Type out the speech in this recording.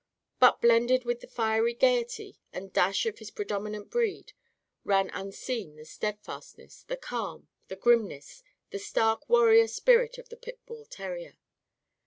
But, blended with the fiery gaiety and dash of his predominant breed, ran unseen the steadfastness, the calm, the grimness, the stark warrior spirit of the pit bull terrier.